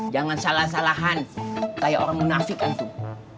jangan salah salahan kayak orang munafik antum